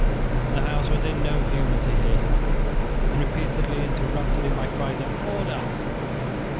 The House was in no humour to hear him, and repeatedly interrupted him by cries of "Order."